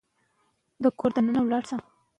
د کور دننه د ښځې حقونه باید رعایت شي.